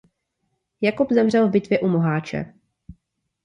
Jakub zemřel v bitvě u Moháče.